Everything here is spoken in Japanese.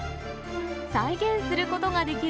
再現することができる